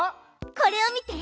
これを見て！